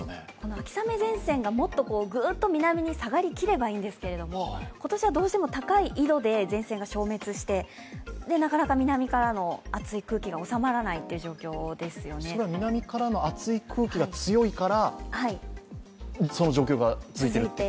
秋雨前線がもっとぐーっと南に下がりきればいいんですけど、今年はどうしても高い緯度で前線が消滅して、なかなか南からの熱い空気がそれは南からの熱い空気が強いから続くと。